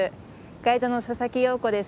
ガイドの佐々木陽子です。